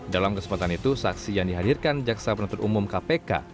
dalam kesempatan itu saksi yang dihadirkan jaksa penuntut umum kpk